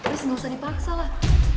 riz gak usah dipaksalah